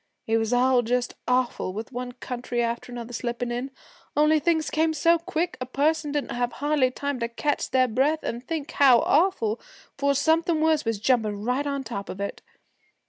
It was all just awful, with one country after another slipping in. Only things came so quick a person didn't hardly have time to catch their breath an' think "how awful," 'fore something worse was jumping right on top of it.